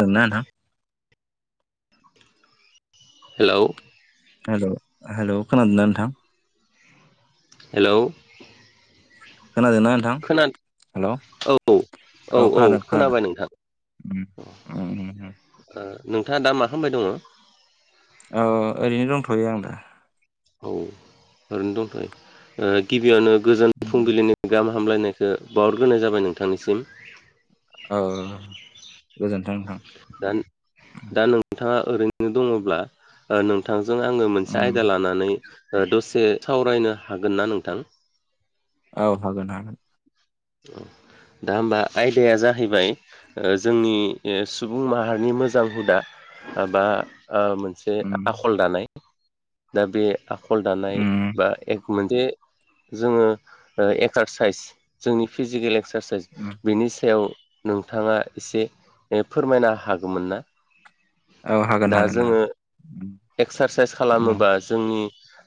ओं ना नोंथां हेलौ हेल' हेल' खोनादोंना नोंथां हेलौ खोनादोंना नोंथां खोना हेल' औ औ औ खोनादों खोनादों खोनाबाय नोंथां उम अ उम उम ओ नोंथाङा दा मा खालामबाय दङ? औ ओरैनो दंथ'यो आं दा औ ओरैनो दंथ 'यो ओ गिबियावनो गोजोन उम फुंबिलिनि गाहाम हामलायनायखौ बावहरग्रोनाय जाबाय नोंथांनिसिम औ गोजोन्थों नोंथां दा दा नोंथाङा ओरैनो दङब्ला नोंथांजों जों आङो मोनसे उम आयदा लानानै दसे सावरायनो होगोनना नोंथां औ हागोन हागोन [unintelligible] दा होमबा आयदाया जाहैबाय जोंनि अ सुबुं माहारिनि मोजां हुदा । माबा अ मोनसे उम आखल दानाय दा बे आखल दानाय उम बा एक । मोनसे जोङो ओ एक्सारसाइस जोंनि फिजिकेल एक्सारसाइस उम बिनि सायाव नोंथाङा एसे फोरमायनो हागौमोन ना औ हागोन दा हागोन जोङो हागोन। उम एक्सारसाइस खालामोबा जोंनि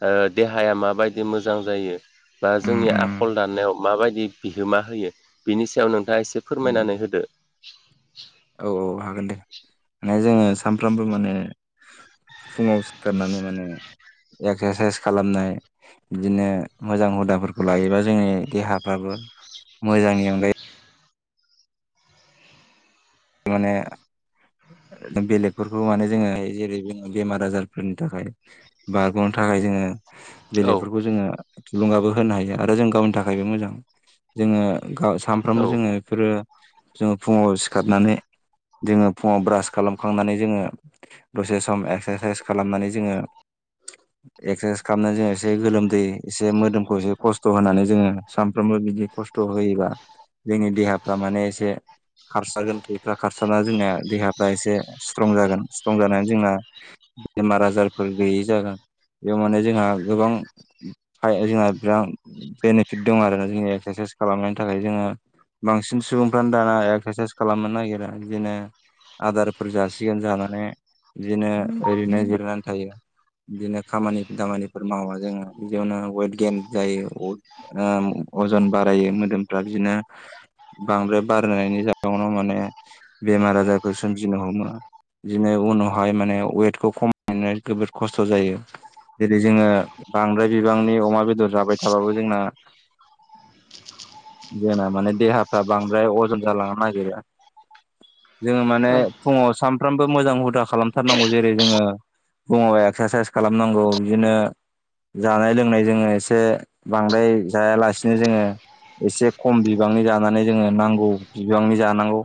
अ देहाया माबायदि मोजां जायो बा उम जोंनि उम आखल दाननायाव माबायदि बिहोमा होयो बिनि सायाव नोंथाङा एसे उम फोरमायनानै होदो औ औ हागोन दे माने जोङो सानफ्रामबो माने फुङाव सिखारनानै माने एक्सारसाइस खालामनाय बिदिनो मोजां हुदाफोरखौ लायोबा जोंनि देहाफ्रा फ्राबो मोजांनि अनगायै माने जों बेलेगफोरखौ माने जोङो जेरै जोङो बेमार आजारफोरनि थाखाय बारग'नो थाखाय जोङो औ बेलेगफोरखौ जोङो थुलुंगाबो होनो हायो आरो जों गावनि थाखायबो मोजां जोङो गाव औ सानफ्रामबो जोङो बेफोरो जोङो फुङाव सिखारनानै [unintelligible] जोङो फुङाव ब्रास खालामखांनानै जोङो दसे सम एक्सारसाइस खालामनानै जोङो एक्सारसाइस खालामनानै जोङो एसे गोलोमदै एसे मोदोमखौ एसे खस्थ' होनानै जोङो सानफ्रामबो बिदि खस्थ' होयोबा जोंनि देहाफ्रा माने एसे खारसागोन थै स्ट्रं जागोन स्ट्रं जानानै जोंना बेमार आजारफोर गैयि जागोन बेयाव माने जोंहा गोबां जोंहा बिराद बेनिफिट दं आरोना जोंनि एक्सारसाइस खालामनायनि थाखाय जोङो बांसिन सुबुंफ्रानो दाना एक्सारसाइस खालामनो नागिरा बिदिनो आदारफोर जासिगोन जानानै बिदिनो ओरैनो जिरनानै थायो बिदिनो खामानि दामानिफोर मावा जोङो बिदियावनो वेट गेन जायो अजन बारायो मोदोमफ्रा बिदिनो बांद्राय बारायनायनि जाहोनाव माने बेमार आजारखौ सोमजिनो हमो बिदिनो उनावहाय माने वेटखौ खमायनो जोबोद खस्थ' जायो जेरै जोङो बांद्राय बिबांनि अमा बेदर जाबाय थाबाबो जोंना [unintelligible] जोंना माने देहाफ्रा बांद्राय अजन जालांनो नागिरो जोङो माने औ फुङाव सानफ्रामबो मोजां हुदा खालामथारनांगौ जेरै जोङो फुङावा एक्सारसाइस खालामनांगौ बिदिनो जानाय लोंनाय जोङो एसे बांद्राय जायालासिनो जोङो एसे खम बिबांनि जानानै जोङो नांगौ बिबांनि जानांगौ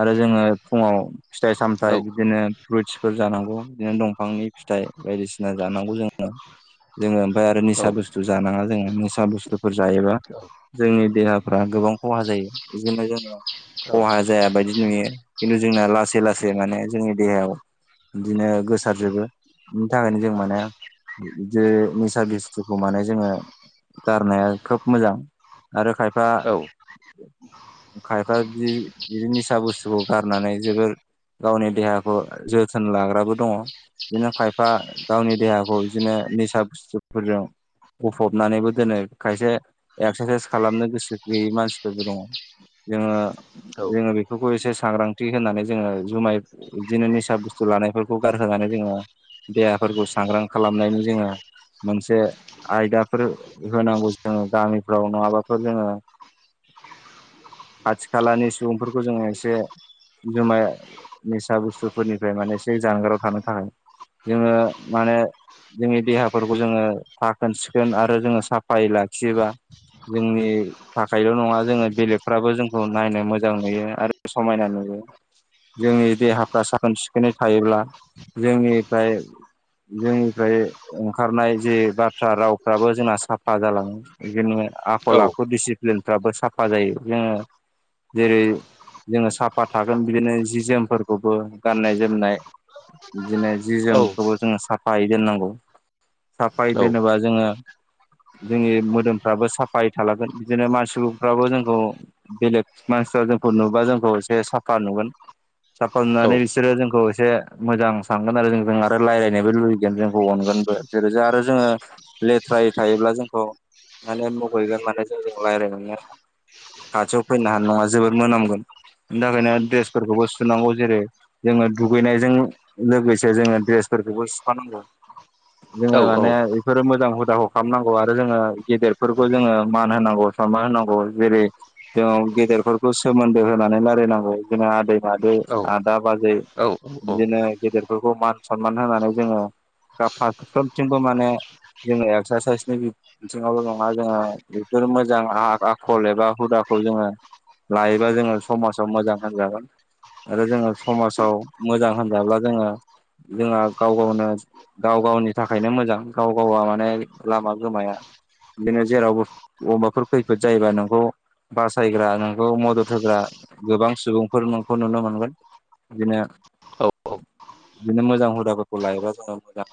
आरो जोङो फुङाव फिथाइ औ सामथायाइ बिदिनो फ्रुइटसफोर जानांगौ बिदिनो दंफांनि फिथाइ बायदिसिना जानांगौ जोङो जोङो ओमफ्राय आरो औ निसा बुस्थु जानाङा जोङो निसा बुस्थुफोर जायोबा जोंनि देहाफ्रा गोबां खहा जायो बेजोंनो जोङो औ खहा जाया बायदि नुयो खिन्थु जोंना लासै लासै माने जोंनि देहायाव बिदिनो गोसारजोबो बिनि थाखायनो जों माने बिदि निसा बुस्थुखौ माने जोङो गारनाया खोब मोजां आरो खायफा खायफा बि बिदि निसा बुस्थुखौ गारनानै जोबोर गावनि देहाखौ जोथोन लाग्राबो दङ बिदिनो खायफा गावनि देहाखौ बिदिनो निसा बुस्थुफोरजों गफबनानैबो दोनो खायसे एक्सारसाइस खालामनो गोसो गैयै मानसिफोरबो दङ' जोङो औ जोङो बेफोरखौ एसे सांग्रांथि होनानै जोङो जुमाय बिदिनो निसा बुस्थु लानायफोरखौ गारहोनानै बे जोङो देहाफोरखौ सांग्रां खालामनायनि जोङो मोनसे आयदाफोर होनांगौ जोङो गामिफ्राव नङाबाफोर जोङो [inaudible] खाथि खालानि सुबुंफोरखौ जोङो एसे जुमाय निसा बुस्थुफोरनिफ्राय माने एसे जानगाराव थानो थाखाय जोङो माने जोंनि देहाफोरखौ जोङो साखोन सिखोन आरो जोङो साफायै लाखियोबा जोंनि थाखायल' नङा जोङो बेलेगफ्राबो जोंखौ नायनो मोजां मोजां नुयो आरो समायना नुयो। जोंनि देहाफ्रा साखोन सिखोनै थायोब्ला जोंनिफ्राय जोंनिफ्राय ओंखारनाय जे बाथ्रा रावफ्राबो जोंना साफा जालाङो ।बेख आखल आखु दिडिसिप्लिनफ्राबो साफा जायो। जोङो जेरै- जोङो साफा थागोन बिदिनो जि जोमफोरखौबो, गाननाय जोमनाय, बिदिनो जि जोमखौबो जोङो साफायै दोननांगौ। साफायै दोनोबा जोङो जोंनि मोदोमफ्राबो साफायै थालागोन ।बिदिनो मानसिफ्राबो जोंखौ बेलेग मानसिफ्रा जोंखौ नुबा जोंखौ एसे साफा नुगोन। साफानुनानै बिसोरो जोंखौ एसे मोजां सानगोन आरो जोंजों आरो रायज्लायनोबो लुुबैगोन जोंखौ अनगोन। बो। जेरै- जा आरो जोङो लेथ्रायै थायोब्ला जोंखौ माने मुगैगोन। माने जोंजों रायज्लायनाय नंआ खाथियाव फैनो नाङा नङा जोबोद मोनामगोन। बेनि थाखायनो ड्रेसफोरखौबो सुनांगौ। जेरै जोङो दुगैनायजों लोगोसे जोङो द्रेस फोरखौबो सुफानांगौ। औ जोङो माने बे फोरो मोजां हुदाखौ खालामनांगौ ।आरो जोङो औ गेदेरफोरखौ जोङो मान होनांगौ, सनमान होनांगौ। जेरै दं गेदेरफोरखौ सोमोन्दो होनानै रायलायनांगौ। जोङो आदै मादै, औ आदा बाजै, औ बिदिनो गेदेरफोरखौ मान सनमान होनानै जोङो फारफ्रोमथिंबो माने जोङो एक्सारसाइसनि बिथिङावल' नङा ।जोङो बेफोर मोजां आखल एबा हुदा खौ जोङो लायोबा जोङो समाजाव मोजां होनजागोन। आरो जोङो समाजाव मोजां होनजाब्ला जोङो जोंहा गाव गावनो गाव गावनि थाखायनो मोजां ।गाव गावआ माने लामा गोमाया। बिदिनो जेरावबो अबाफोर खैफोद जायोबा नोंखौ बासायग्रा नोंखौ मदद होग्रा गोबां सुबुंफोर नोंखौ नुनो मोनगोन बिदिनो औ बिदिनो मोजां हुदाफोरखौ लायोबा जों मोजां।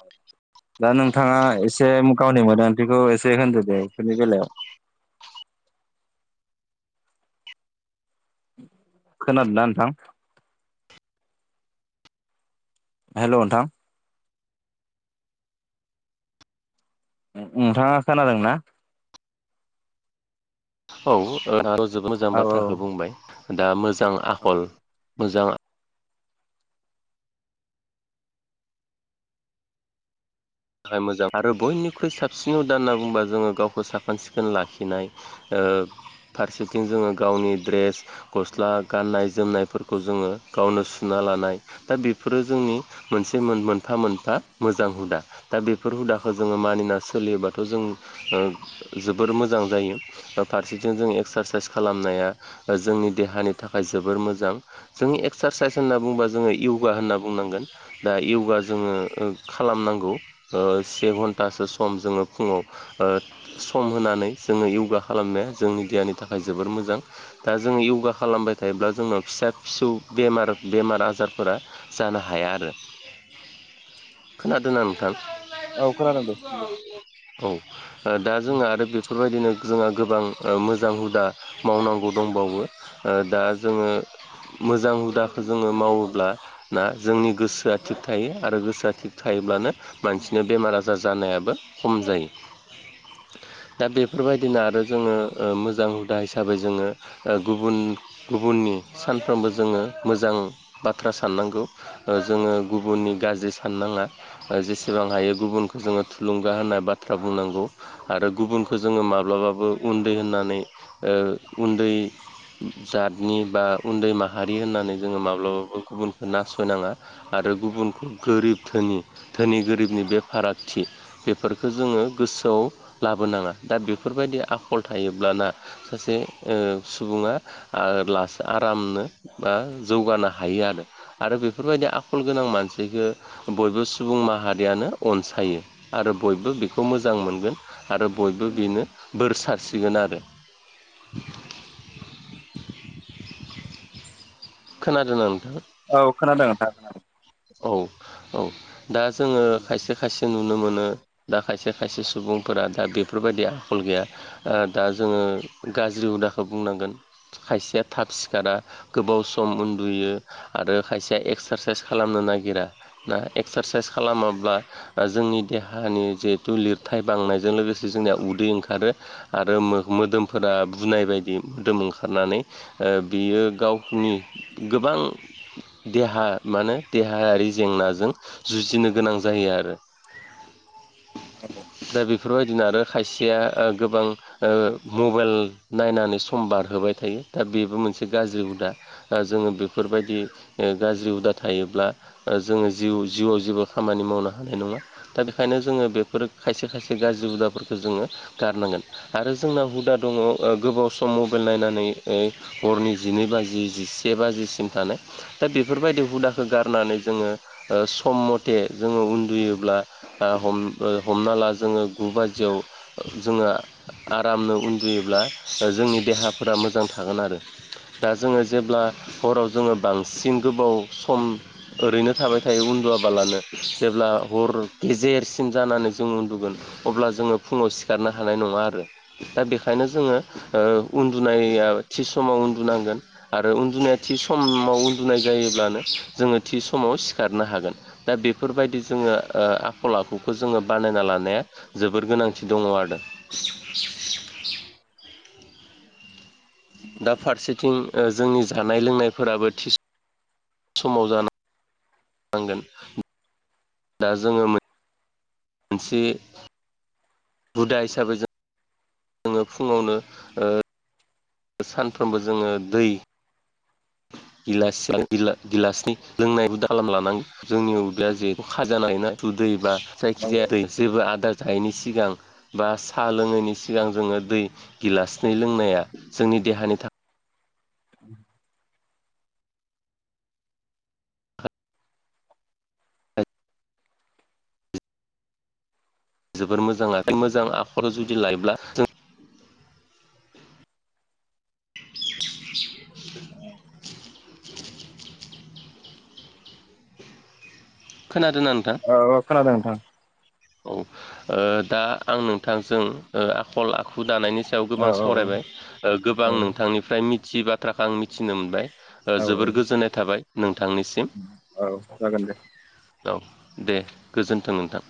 दा नोंथाङा एसे गावनि मोनदांथिखौ एसे होनदो दे बेफोरनि बेलायाव। [unintelligible] खोनादों ना नोंथां? हेल' नोंथां। नोंथाङा खोनादोंना? औ र'जोबोर मोजां औ बाथ्राखौ औ बुंबाय। दा मोजां आखल मोजां थाखाय मोजां। आरो बयनिख्रुइ साबसिन हुदा होनना बुंङोबा जोङो गावखौ साखोन सिखोन लाखिनाय ओ ओ फारसेथिं जोङो गावनि ड्रेस, गस्ला, गाननाय जोमनायफोरखौ जोङो गावनो सुनानै लानाय दा बेफोरो जोंनि मोनसे मोनफा मोनफा मोजां हुदा। दा बेफोर हुदाखौ जोङो मानिना सोलियोबाथ' जों ओ जोबोर मोजां जायो। दा फारसेथिं जों एक्सारसाइस खालामनाया जोंनि देहानि थाखाय जोबोर मोजां। जों एक्सार एक्सारसाइस होनना बुंबा जोङो य'गा होनना बुंनांगोन दा य'गा जोङो खालामनांगौ ओ से घन्टासो सम जोङो फुङाव ओ सम होनानै जोङो य'गा खालामनाया जोंनि देहानि थाखाय जोबोर मोजां दा जोङो य'गा खालामबाय थायोब्ला जोंनाव फिसा फिसौ बेमार बेमार आजारफोरा जानो हाया आरो खोनादों ना नोंथां औ खोनादों दे औ दा जोंङो आरो बेफोरबायदिनो जोंहा गोबां मोजां हुदा मावनांगौ दंबावो ओ दा जोङो मोजां हुदाखौ जोङो मावोब्ला ना जोंनि गोसोआ थिग थायो आरो गोसोआ थिग थायो अब्लानो मानसिनि बेमार आजार जानायाबो खम जायो दा बेफोरबायदिनो आरो जोङो ओ मोजां हुदा हिसाबै जोङो ओ गुबुन गुबुननि सानफ्रोमबो जोङो मोजां बाथ्रा साननांगौ जोङो गुबुननि गाज्रि साननाङा जाय जेसे सिसेबां हायो गुबुनखौ जोङो थुलुंगा होननाय बाथ्रा बुंनांगौ आरो गुबुनखौ जोङो माब्लाबाबो उन्दै होननानै ओ उन्दै जातनि बा उन्दै माहारि होननानै जोङो माब्लाबाबो गुबुनखौ नासयनाङा आरो आरो गुबुनखौ गोरिब धोनि धोनि गोरिबनि बे फारागथि बेफोरखौ जोङो गोसोआव लाबोनाङा दा बेफोरबायदि आख फल थायोब्लाना सासे सुबुङा लासै आरामनो बा जौगानो हायो आरो आरो बेफोरबायदि आखल गोनां मानसिख बयबो सुबुं माहारि यनो अनसायो आरो बयबो बेखौ मोजां मोनगोन आरो बयबो बेनो बोरसाद सारस्रिरगोन आरो खोनादों ना नोंथां औ खोनादों नोंथां खोनादों औ औ दा जोङो खायसे खायसे नु नुनो मोनो दा खायसे खायसे सुबुंफोरा दा बेफोरबायदि आखल आ गैया दा जोङो गाज्रि हुदाखौ बुंनांगोन खायसेया थाब सिखारा गोबाव सम उन्दुयो आरो खायसे एक्सारसाइस खालामनो नागिरा ना एक्सारसाइस खालामाब्ला जोंनि देहानि जे थलिर थाय बांनायजों लोगोसे जोंनिया उदै ओंखारो आरो मोदोमफोरा बुनाय बायदि मोदोम ओंखारनानै बियो गावनि गोबां देहा माने देहायारि जेंनाजों जुजिनो गोनां जायो आरो औ दा बेफोरबायदिनो आरो खायसेया गोबां मबाइल नायनानै सम बार होबाय थायो दा बेबो मोनसे गाज्रि हुदा जोङो बेफोरबायदि गाज्रि हुदा थायोब्ला जोङो जिउ जिउआव जेबो खामानि मावनो हानाय नङा दा बेखायनो जोङो बेफोर खायसे खायसे गाज्रि हुदाफोरखौ जोङो गारनांगोन आरो जोंना हुदा ओ दङ गोबाव सम म नाय हरनि जिनै बाजि जिसे बाजिसिम थानाय दा बेफोरबायदि हुदा गारनानै जोङो सम मथे जोङो उन्दुयोब्ला हमनानै ला जोङो गु बाजियाव जोङो आरामनो उन्दुयोब्ला जोंनि देहाफोरा मोजां थागोन आरो दा जोङो जेब्ला हराव जोङो बांसिन गोबाव सम ओरैनो थाबाय थायो उन्दुआबालानो जेब्ला हर गेजेरसिम जानानै जों उन्दुगोन अब्ला जोङो फुङाव सिखारनो हानाय नङा आरो दा बेनिखायनो जोङो ओ उन्दुनाया थि समाव उन्दुनांगोन आरो उन्दुनाया थि समाव उन्दुनाय जायोब्लानो जोङो थि समाव सिखारनो हागोन दा बेफोरबायदि जोङो आखल आखुखौ जोङो बानाय नाय ला जोोबोर गोनांथि दङ आरो दा फारसेथिं जोंनि जानाय लोंनायफोराबो थि स समाव जानानांगोन दा जोङो मोनसे हुदा हिसाबै जों जोङो फुङावनो ओ । सानफ्रोमबो जोङो दै [inaudible] गिला गिलासनि लोंनायबो दालाम लानांगौ जोंनि उदैया जिहेथु खाजाानायोना उदैया दै बा। औ जायखिजाया जेबो आदार जायैनि सिगां बा साहा लोङैनि सिगां जोङो दै गिलासनै लोंनाया जोंनि देहानि थाखाय। थाखाय जोबोर मोजाङ आरोखि मोजां आखर जुदि लायोब्ला जों औ। खोनादोंना नोंथां? औ अखोना दों मोनथां। औ दा आं नोंथांजों आखल आखु दानायनि स सायाव औ गोबां औ सावरायबाय गोबां नोंथांनिफ्राय मिथियै बाथ्राखौ आं मिथिनो मोनबाय। औ औ जोबोर गोजोननाय थाबाय नोंथांनिसिम औ औ जागोन दे औ। दे गोजोन्थों नोंथां।